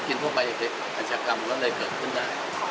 ทั่วไปอาชญากรรมก็เลยเกิดขึ้นได้